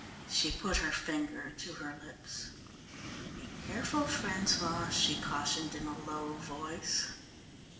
She put her finger to her lips. "Be careful, François," she cautioned in a low voice.